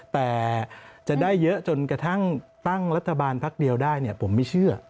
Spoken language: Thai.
แต่จะได้เยอะจนกระทั่งตั้งรัฐบาลพักเดียวได้ผมไม่เชื่อ